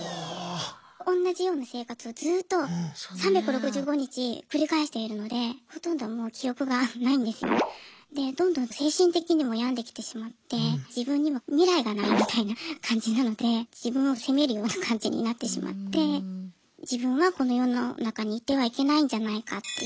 同じような生活をずっと３６５日繰り返しているのでほとんどもう記憶がないんですよ。でどんどん精神的にも病んできてしまって自分には未来がないみたいな感じなので自分を責めるような感じになってしまって自分はこの世の中にいてはいけないんじゃないかっていう。